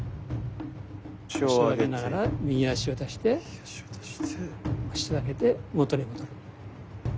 足を上げながら右足を出して腰を上げて元に戻る。